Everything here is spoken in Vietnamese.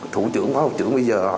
thủ trưởng phó học trưởng bây giờ